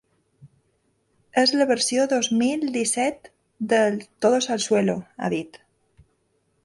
És la versió dos mil disset del “todos al suelo”, ha dit.